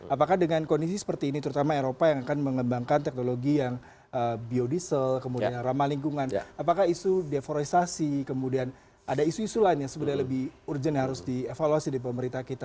apakah dengan kondisi seperti ini terutama eropa yang akan mengembangkan teknologi yang biodiesel kemudian ramah lingkungan apakah isu deforestasi kemudian ada isu isu lain yang sebenarnya lebih urgent yang harus dievaluasi di pemerintah kita